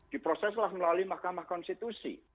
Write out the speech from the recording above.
diproseslah melalui mahkamah konstitusi